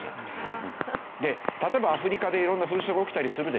例えばアフリカで色んな紛争が起きたりするでしょ。